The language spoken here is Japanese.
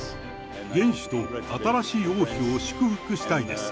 元首と新しい王妃を祝福したいです。